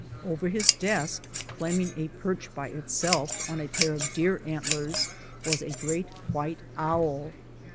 Over his desk, claiming a perch by itself on a pair of deer antlers, was a great white owl.